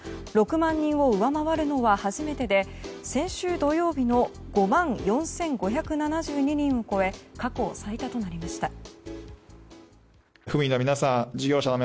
６万人を上回るのは初めてで先週土曜日の５万４５７２人を超え過去最多となりました。